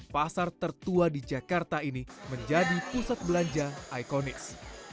pasar tertua di jakarta ini menjadi pusat belanja ikonis